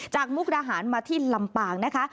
มุกดาหารมาที่ลำปางนะคะ